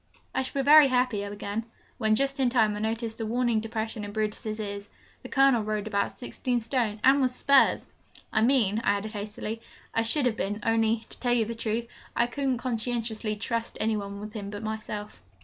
'I shall be very happy,' I began, when, just in time, I noticed a warning depression in Brutus's ears. The Colonel rode about sixteen stone, and with spurs! 'I mean,' I added hastily, 'I should have been only, to tell you the truth, I couldn't conscientiously trust any one on him but myself.'